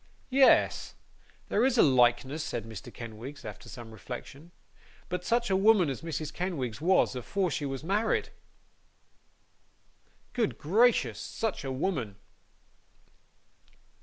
'Yes! there is a likeness,' said Mr. Kenwigs, after some reflection. 'But such a woman as Mrs. Kenwigs was, afore she was married! Good gracious, such a woman!